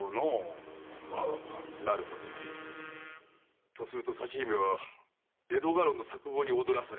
なるほどすると佐知姫は江戸家老の策謀に踊らされて。